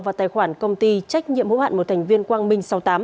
vào tài khoản công ty trách nhiệm hữu hạn một thành viên quang minh sáu mươi tám